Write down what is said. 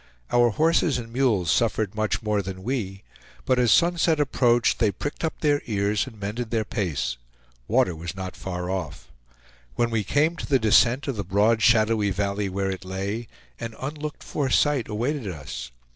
Our horses and mules suffered much more than we, but as sunset approached they pricked up their ears and mended their pace. Water was not far off. When we came to the descent of the broad shallowy valley where it lay, an unlooked for sight awaited us.